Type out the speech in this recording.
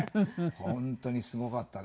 本当にすごかったね。